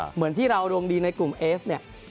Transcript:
เหมือนที่เราดวงดีในกลุ่มเอฟเนี่ย